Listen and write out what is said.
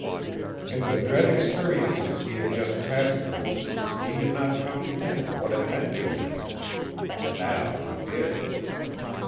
In the dread experiences he had just passed through, he had not comprehended what it meant to him. Now he did.